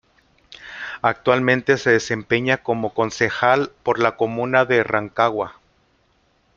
Actualmente se desempeña como concejal por la comuna de Rancagua.